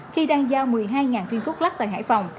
khi đang giao một mươi hai viên thuốc lắc tại hải phòng